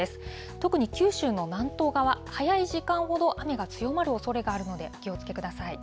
特に九州の南東側、早い時間ほど雨が強まるおそれがあるので、お気をつけください。